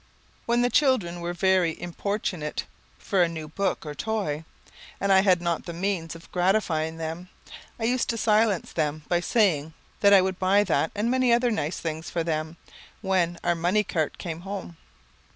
When the children were very importunate for a new book or toy, and I had not the means of gratifying them, I used to silence them by saying that I would buy that and many other nice things for them when "our money cart came home."